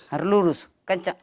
harus lurus kencang